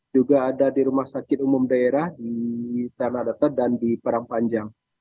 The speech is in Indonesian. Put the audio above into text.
juga ada di rumah sakit umum daerah di tanahdata dan di perang panjang